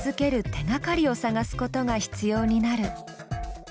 手がかりを探すことが必要になる。